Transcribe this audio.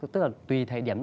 tức là tùy thời điểm